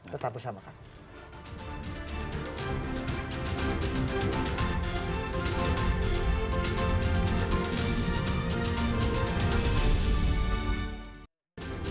tetap bersama kami